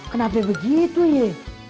kenapa begitu ye